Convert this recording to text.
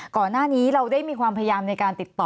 ก่อนหน้านี้เราได้มีความพยายามในการติดต่อ